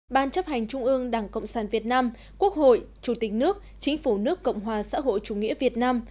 ban chấp hành trung ương đảng cộng sản việt nam quốc hội chủ tịch nước chính phủ nước cộng hòa xã hội chủ nghĩa việt nam